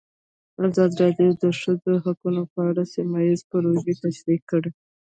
ازادي راډیو د د ښځو حقونه په اړه سیمه ییزې پروژې تشریح کړې.